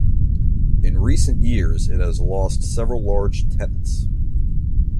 In recent years it has lost several large tenants.